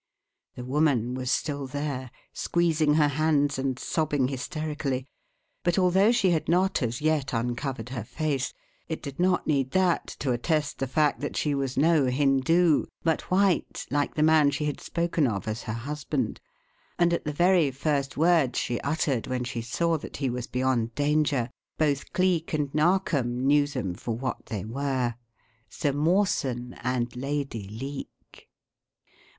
The woman was still there, squeezing her hands and sobbing hysterically, but although she had not as yet uncovered her face, it did not need that to attest the fact that she was no Hindu, but white like the man she had spoken of as her husband, and at the very first words she uttered when she saw that he was beyond danger, both Cleek and Narkom knew them for what they were Sir Mawson and Lady Leake.